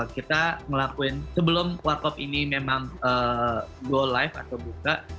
kita ngelakuin sebelum warkop ini memang go live atau buka